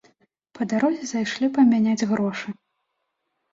Па дарозе зайшлі памяняць грошы.